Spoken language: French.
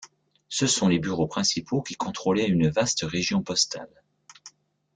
Ce sont les bureaux principaux qui contrôlaient une vaste région postale.